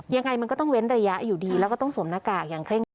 ยังไงมันก็ต้องเว้นระยะอยู่ดีแล้วก็ต้องสวมหน้ากากอย่างเร่งรั